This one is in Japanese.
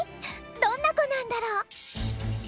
どんな子なんだろう。